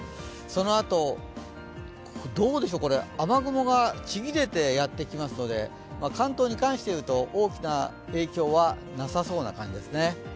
そのあと、雨雲がちぎれてやってきますので、関東に関して言うと大きな影響はなさそうな感じですね。